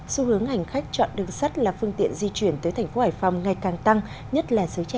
xu hướng hành khách chọn đường sắt là phương tiện di chuyển tới thành phố hải phòng ngày càng tăng nhất là giới trẻ